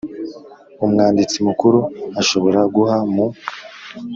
Umwanditsi mukuru ashobora guha mu